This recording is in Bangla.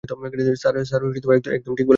স্যার, একদম ঠিক বলেছেন।